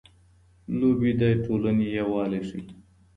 لوبې د ټولنې یووالی ښيي.